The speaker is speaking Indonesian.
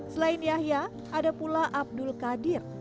selain yahya ada pula abdul qadir